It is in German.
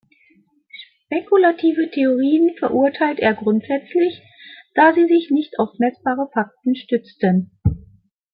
Spekulative Theorien verurteilt er grundsätzlich, da sie sich nicht auf messbare Fakten stützten.